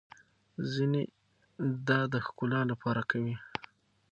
ځينې دا د ښکلا لپاره کوي.